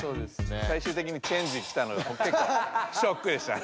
最終的にチェンジきたのがけっこうショックでした。